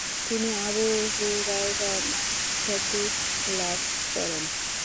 তিনি Abu Hurairah নামে খ্যাতি লাভ করেন।